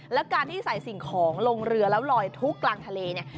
แล้วการที่ใส่สิ่งของลงเรือแล้วลอยทุกข์กลางทะเลเนี่ย